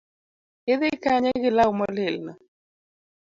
Idhi kanye gi law molil no